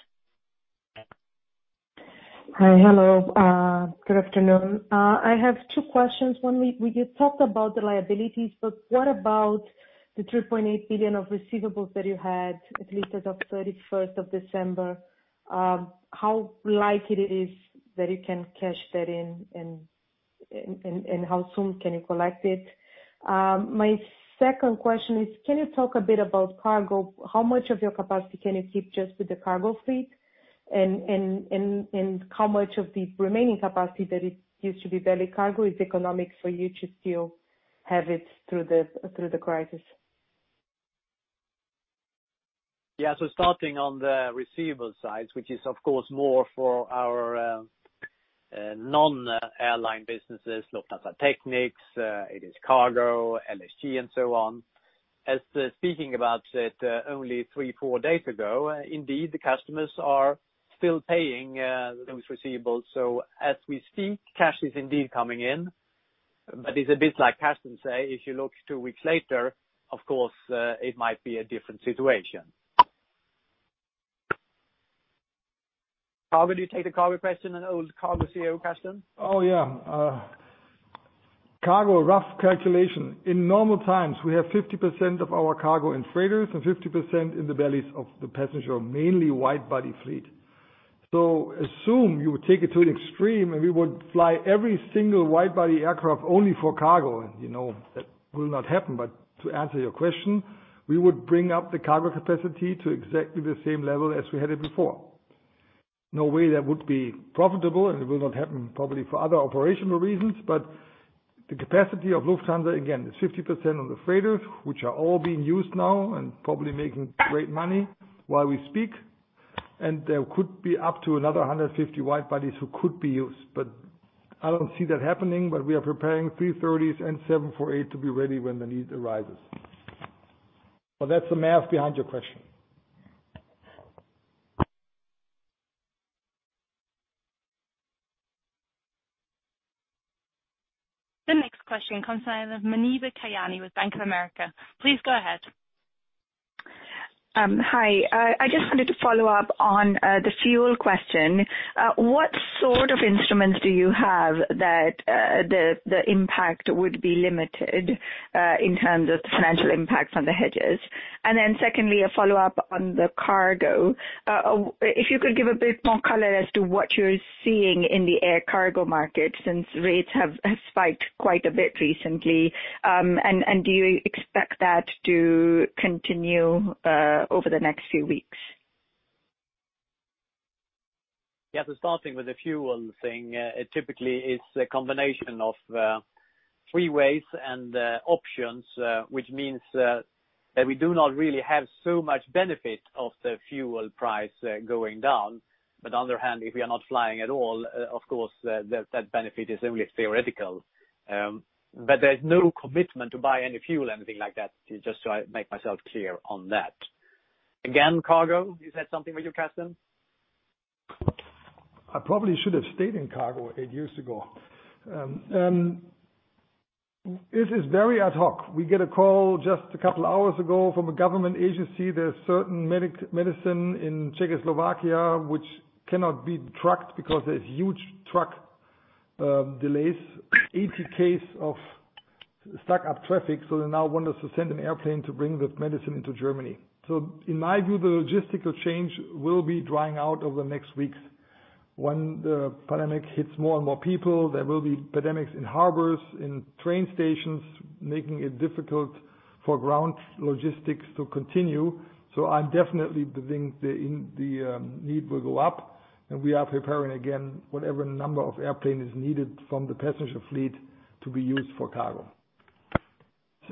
Hi. Hello. Good afternoon. I have two questions. You talked about the liabilities, what about the 3.8 billion of receivables that you had at least as of 31st of December? How likely it is that you can cash that in, how soon can you collect it? My second question is, can you talk a bit about cargo? How much of your capacity can you keep just with the cargo fleet? How much of the remaining capacity that it used to be belly cargo is economic for you to still have it through the crisis? Starting on the receivable side, which is of course more for our non-airline businesses, Lufthansa Technik, it is cargo, LSG and so on. As to speaking about it only three, four days ago, indeed the customers are still paying those receivables. As we speak, cash is indeed coming in, but it's a bit like Carsten says, if you look two weeks later, of course, it might be a different situation. Carsten, do you take the cargo question, an old cargo CEO question? Oh, yeah. Cargo, rough calculation. In normal times, we have 50% of our cargo in freighters and 50% in the bellies of the passenger, mainly wide-body fleet. Assume you would take it to an extreme, and we would fly every single wide-body aircraft only for cargo. That will not happen, but to answer your question, we would bring up the cargo capacity to exactly the same level as we had it before. No way that would be profitable, and it will not happen probably for other operational reasons. The capacity of Lufthansa, again, is 50% on the freighters, which are all being used now and probably making great money while we speak. There could be up to another 150 wide bodies who could be used. I don't see that happening, but we are preparing A330s and 747-8 to be ready when the need arises. That's the math behind your question. The next question comes in of Muneeba Kayani with Bank of America. Please go ahead. Hi. I just wanted to follow up on the fuel question. What sort of instruments do you have that the impact would be limited, in terms of the financial impact on the hedges? Secondly, a follow-up on the cargo. If you could give a bit more color as to what you're seeing in the air cargo market, since rates have spiked quite a bit recently. Do you expect that to continue over the next few weeks? Yeah. Starting with the fuel thing. It typically is a combination of freeways and options, which means that we do not really have so much benefit of the fuel price going down. On the other hand, if we are not flying at all, of course, that benefit is only theoretical. There's no commitment to buy any fuel, anything like that, just to make myself clear on that. Again, cargo, you said something with you, Carsten? I probably should have stayed in cargo eight years ago. This is very ad hoc. We get a call just a couple of hours ago from a government agency. There's certain medicine in Czechoslovakia which cannot be trucked because there's huge truck delays, 80 case of stuck up traffic. They now want us to send an airplane to bring that medicine into Germany. In my view, the logistical change will be drying out over the next weeks. When the pandemic hits more and more people, there will be pandemics in harbors, in train stations, making it difficult for ground logistics to continue. I definitely think the need will go up, and we are preparing, again, whatever number of airplane is needed from the passenger fleet to be used for cargo.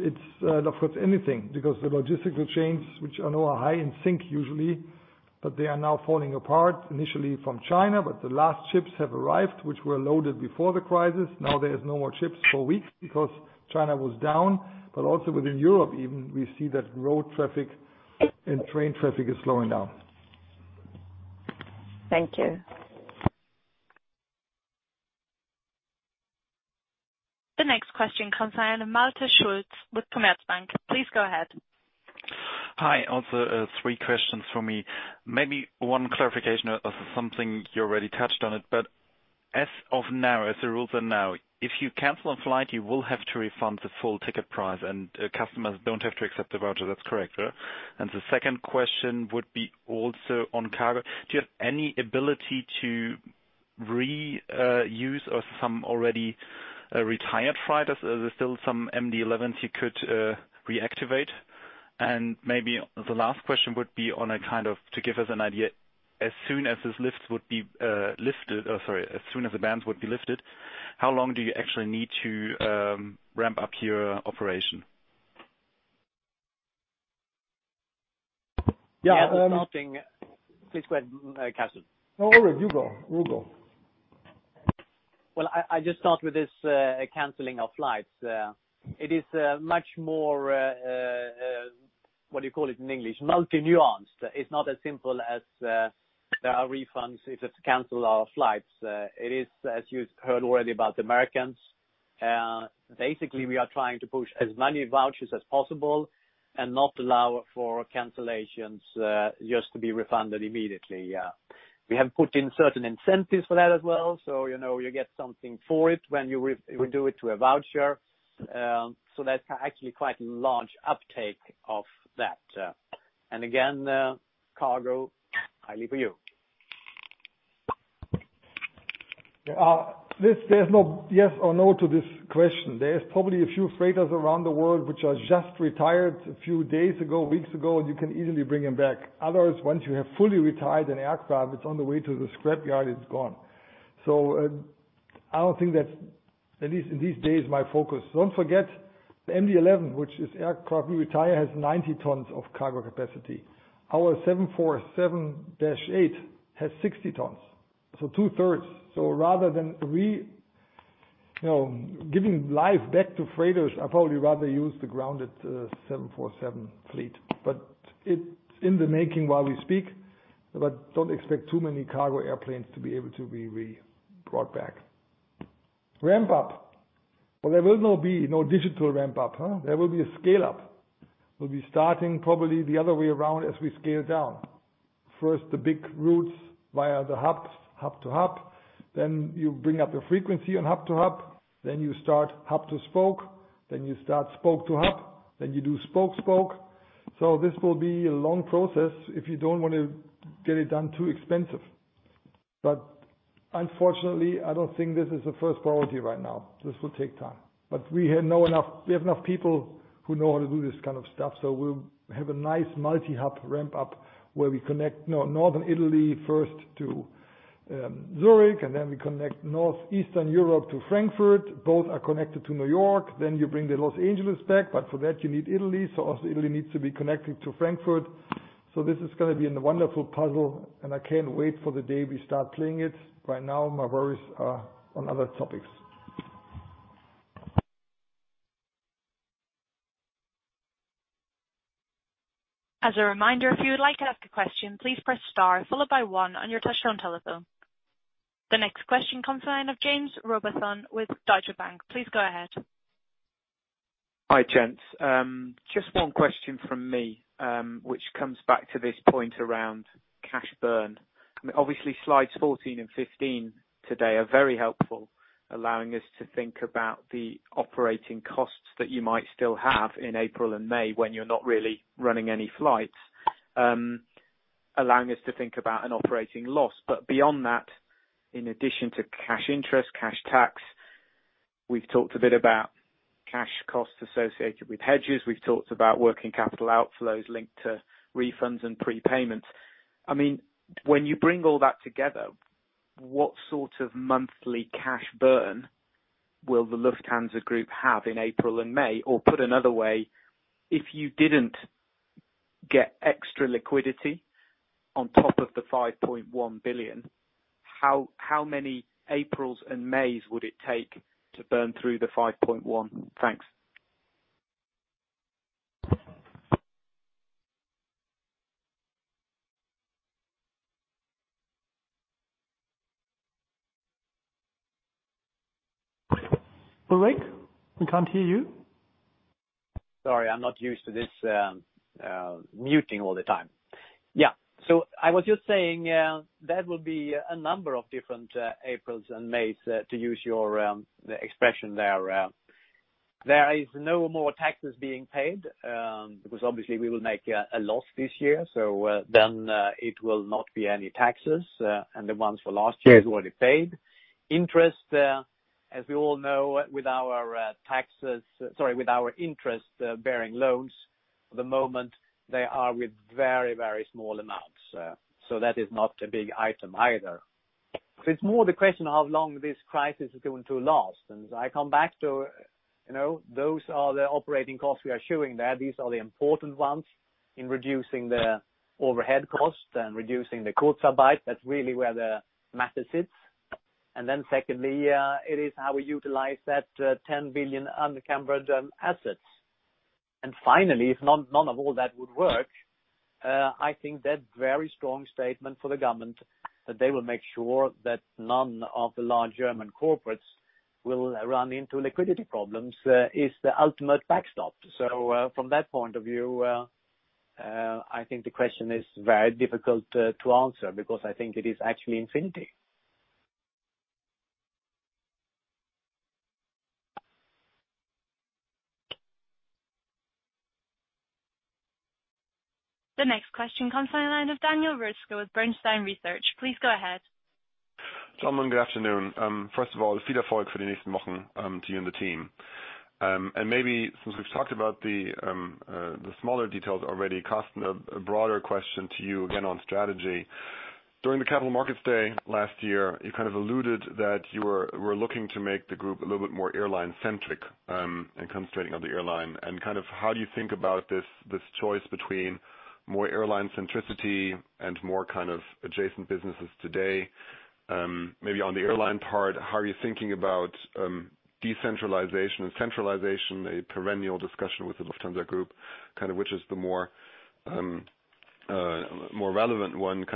It's of course anything, because the logistical chains, which I know are high in sync usually, but they are now falling apart initially from China. The last ships have arrived, which were loaded before the crisis. Now there is no more ships for weeks because China was down. Also within Europe even, we see that road traffic and train traffic is slowing down. Thank you. The next question comes in, Malte Schulz with Commerzbank. Please go ahead. Hi. Three questions from me. Maybe one clarification of something you already touched on it, as of now, as the rules are now, if you cancel a flight, you will have to refund the full ticket price and customers don't have to accept the voucher. That's correct, yeah? The second question would be also on cargo. Do you have any ability to reuse some already retired freighters? Are there still some MD-11s you could reactivate? Maybe the last question would be on a kind of, to give us an idea, as soon as the bans would be lifted, how long do you actually need to ramp up your operation? Yeah- Yeah, starting. Please go ahead, Carsten. No, Ulrik, you go. Well, I just start with this canceling of flights. It is much more, what do you call it in English? Multi-nuanced. It's not as simple as there are refunds if we cancel our flights. It is, as you heard already, about the Americans. Basically, we are trying to push as many vouchers as possible and not allow for cancellations just to be refunded immediately. We have put in certain incentives for that as well. You get something for it when you redo it to a voucher. That's actually quite a large uptake of that. Again, cargo, highly for you. There's no yes or no to this question. There's probably a few freighters around the world which are just retired a few days ago, weeks ago, and you can easily bring them back. Others, once you have fully retired an aircraft, it's on the way to the scrapyard, it's gone. I don't think that's, at least in these days, my focus. Don't forget, the MD-11, which is aircraft we retire, has 90 tons of cargo capacity. Our 747-8 has 60 tons, so two-thirds. Rather than giving life back to freighters, I'd probably rather use the grounded 747 fleet. It's in the making while we speak, but don't expect too many cargo airplanes to be able to be re-brought back. Ramp up. Well, there will not be no digital ramp up, huh? There will be a scale up. We'll be starting probably the other way around as we scale down. First the big routes via the hubs, hub to hub, then you bring up the frequency on hub to hub, then you start hub to spoke, then you start spoke to hub, then you do spoke spoke. This will be a long process if you don't want to get it done too expensive. Unfortunately, I don't think this is the first priority right now. This will take time. We have enough people who know how to do this kind of stuff. We'll have a nice multi-hub ramp up where we connect northern Italy first to Zurich, and then we connect northeastern Europe to Frankfurt. Both are connected to New York. You bring the Los Angeles back. For that, you need Italy. Also Italy needs to be connected to Frankfurt. This is going to be in a wonderful puzzle, and I can't wait for the day we start playing it. Right now, my worries are on other topics. As a reminder, if you would like to ask a question, please press star followed by 1 on your touchtone telephone. The next question comes in of Jaime Rowbotham with Deutsche Bank. Please go ahead. Hi, gents. Just one question from me, which comes back to this point around cash burn. I mean, obviously slides 14 and 15 today are very helpful, allowing us to think about the operating costs that you might still have in April and May when you're not really running any flights, allowing us to think about an operating loss. Beyond that, in addition to cash interest, cash tax, we've talked a bit about cash costs associated with hedges. We've talked about working capital outflows linked to refunds and prepayments. I mean, when you bring all that together, what sort of monthly cash burn will the Lufthansa Group have in April and May? Or put another way, if you didn't get extra liquidity on top of the 5.1 billion, how many Aprils and Mays would it take to burn through the 5.1? Thanks. Ulrik, we can't hear you. I'm not used to this muting all the time. I was just saying, that will be a number of different Aprils and Mays, to use your expression there. There is no more taxes being paid, because obviously we will make a loss this year. It will not be any taxes, and the ones for last year is already paid. Interest, as we all know, with our interest-bearing loans, the moment they are with very, very small amounts. That is not a big item either. It's more the question of how long this crisis is going to last. I come back to those are the operating costs we are showing there. These are the important ones in reducing the overhead cost and reducing the costs aside. That's really where the matter sits. Secondly, it is how we utilize that 10 billion under covered assets. Finally, if none of all that would work, I think that very strong statement from the government that they will make sure that none of the large German corporates will run into liquidity problems is the ultimate backstop. From that point of view, I think the question is very difficult to answer because I think it is actually infinity. The next question comes on the line of Daniel Roeska with Bernstein Research. Please go ahead. Tom, good afternoon. First of all, to you and the team. Maybe since we've talked about the smaller details already, Carsten, a broader question to you again on strategy. During the Capital Markets Day last year, you kind of alluded that you were looking to make the group a little bit more airline centric and concentrating on the airline and how do you think about this choice between more airline centricity and more kind of adjacent businesses today? Maybe on the airline part, how are you thinking about decentralization and centralization, a perennial discussion with the Lufthansa Group, which is the more relevant one.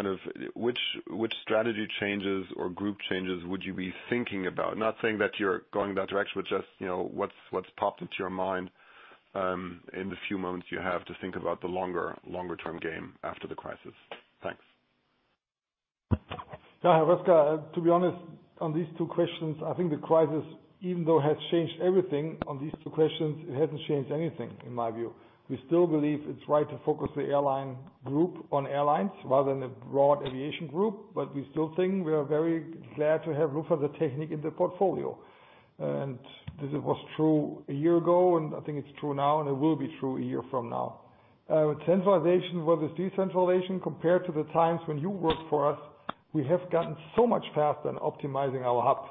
Which strategy changes or group changes would you be thinking about? Not saying that you're going that direction, but just what's popped into your mind in the few moments you have to think about the longer term game after the crisis? Thanks. Yeah, Roeska, to be honest on these two questions, I think the crisis, even though it has changed everything on these two questions, it hasn't changed anything in my view. We still believe it's right to focus the airline group on airlines rather than a broad aviation group, but we still think we are very glad to have Lufthansa Technik in the portfolio. This was true a year ago, and I think it's true now, and it will be true a year from now. Centralization versus decentralization, compared to the times when you worked for us, we have gotten so much faster in optimizing our hub,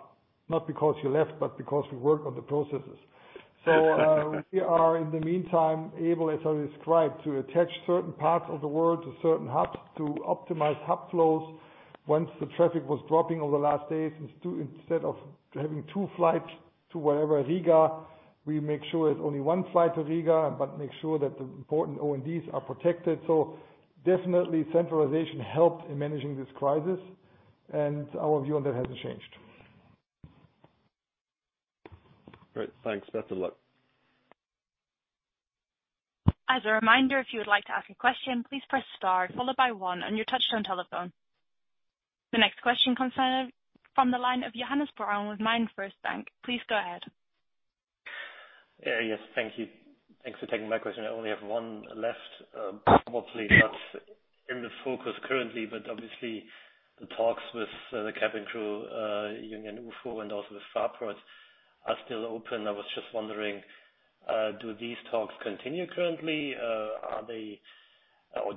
not because you left, but because we work on the processes. We are, in the meantime, able, as I described, to attach certain parts of the world to certain hubs to optimize hub flows. Once the traffic was dropping over the last days, instead of having two flights to wherever, Riga, we make sure there's only one flight to Riga, but make sure that the important O&Ds are protected. Definitely centralization helped in managing this crisis and our view on that hasn't changed. Great. Thanks. Best of luck. As a reminder, if you would like to ask a question, please press star followed by one on your touchtone telephone. The next question comes from the line of Johannes Braun with MainFirst Bank. Please go ahead. Yes. Thank you. Thanks for taking my question. I only have one left. Probably not in the focus currently, but obviously the talks with the cabin crew union UFO and also with Verdi are still open. I was just wondering, do these talks continue currently?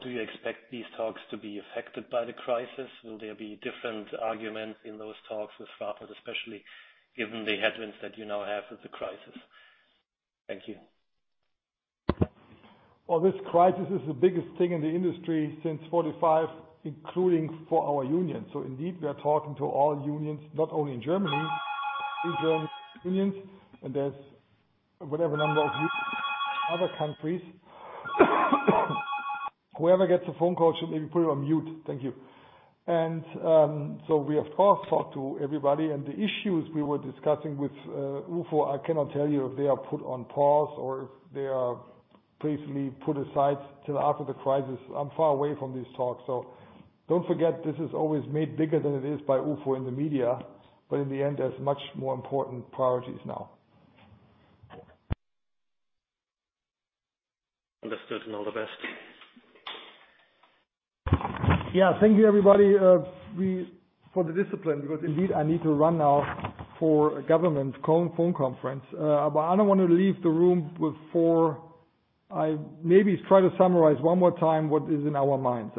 Do you expect these talks to be affected by the crisis? Will there be different arguments in those talks with Verdi, especially given the headwinds that you now have with the crisis? Thank you. Well, this crisis is the biggest thing in the industry since 45, including for our union. Indeed, we are talking to all unions, not only in Germany unions, and there's whatever number of other countries. Whoever gets a phone call should maybe put it on mute. Thank you. We have talked to everybody, and the issues we were discussing with UFO, I cannot tell you if they are put on pause or if they are basically put aside till after the crisis. I'm far away from these talks. Don't forget this is always made bigger than it is by UFO in the media, but in the end, there's much more important priorities now. Understood. All the best. Yeah. Thank you everybody for the discipline because indeed I need to run now for a government phone conference. I don't want to leave the room before I maybe try to summarize one more time what is in our minds.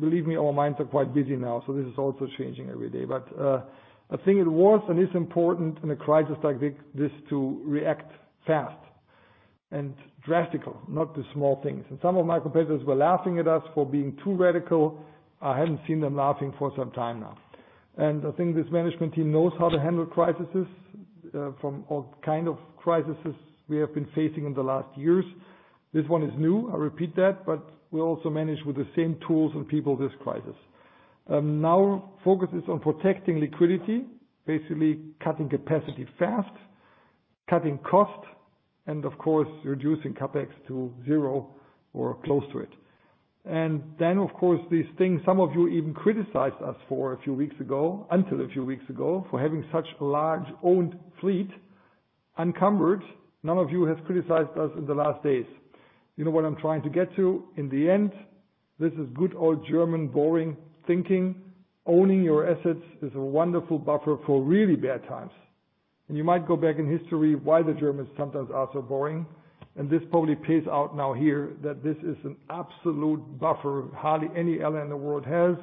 Believe me, our minds are quite busy now, so this is also changing every day. I think it was and is important in a crisis like this to react fast and drastic, not the small things. Some of my competitors were laughing at us for being too radical. I haven't seen them laughing for some time now. I think this management team knows how to handle crises from all kind of crises we have been facing in the last years. This one is new, I repeat that, but we also manage with the same tools and people this crisis. Focus is on protecting liquidity, basically cutting capacity fast, cutting cost, and of course, reducing CapEx to zero or close to it. Of course, these things some of you even criticized us for until a few weeks ago, for having such a large owned fleet, unencumbered. None of you have criticized us in the last days. You know what I'm trying to get to? In the end, this is good old German boring thinking. Owning your assets is a wonderful buffer for really bad times. You might go back in history why the Germans sometimes are so boring, and this probably pays out now here that this is an absolute buffer hardly any airline in the world has.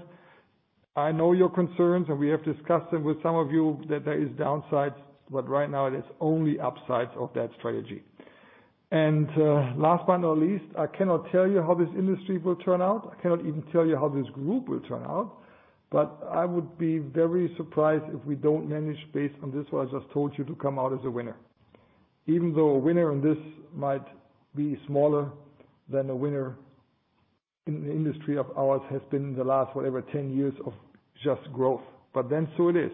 I know your concerns, and we have discussed them with some of you that there is downsides, but right now there's only upsides of that strategy. Last but not least, I cannot tell you how this industry will turn out. I cannot even tell you how this group will turn out, but I would be very surprised if we don't manage based on this what I just told you to come out as a winner. Even though a winner in this might be smaller than a winner in the industry of ours has been the last whatever, 10 years of just growth. So it is.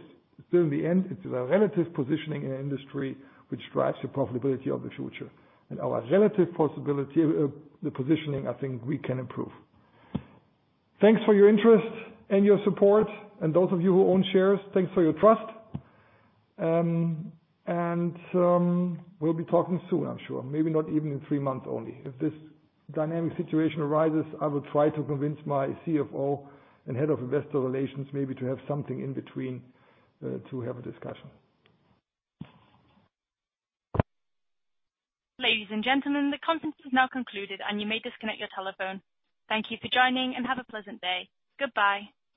Still in the end it is a relative positioning in the industry which drives the profitability of the future and our relative possibility of the positioning I think we can improve. Thanks for your interest and your support and those of you who own shares, thanks for your trust. We'll be talking soon, I'm sure. Maybe not even in three months only. If this dynamic situation arises, I will try to convince my CFO and Head of Investor Relations maybe to have something in between, to have a discussion. Ladies and gentlemen, the conference is now concluded and you may disconnect your telephone. Thank you for joining and have a pleasant day. Goodbye.